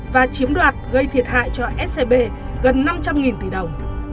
và chiếm đoạt gây thiệt hại cho scb gần năm trăm linh tỷ đồng